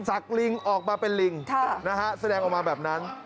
ลิงออกมาเป็นลิงแสดงออกมาแบบนั้น